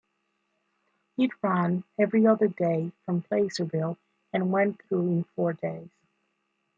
It ran every other day from Placerville and went through in four days.